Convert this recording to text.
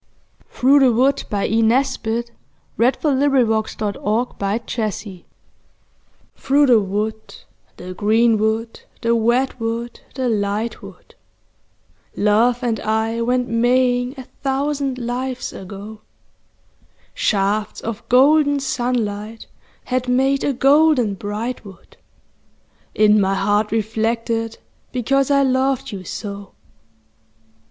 u sowed the seed, but let the blossom die. ROSEMARY 51 THROUGH THE WOOD THKOUGH the wood, the green wood, the wet wood, the light wood, Love and I went maying a thousand lives ago ; Shafts of golden sunlight had made a golden bright wood In my heart reflected, because I loved you so.